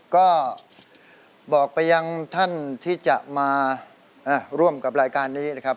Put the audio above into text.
ก็บอกไปยังท่านที่จะมาร่วมกับรายการนี้นะครับ